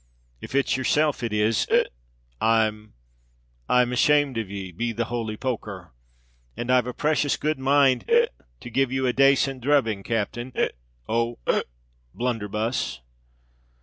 If it's yourself it is—hic—I—I'm ashamed of ye, be the holy poker r; and I've a precious good mind—hic—to give ye a dacent dhrubbing, captain—hic—O'—hic—Bluntherbuss."